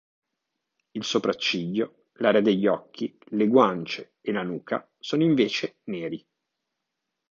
Il sopracciglio, l'area degli occhi, le guance e la nuca sono invece neri.